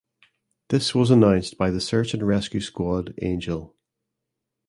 This was announced by the search and rescue squad "Angel".